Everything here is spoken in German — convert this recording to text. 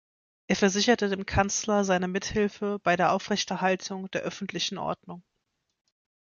Er versicherte dem Kanzler seine Mithilfe bei der Aufrechterhaltung der öffentlichen Ordnung.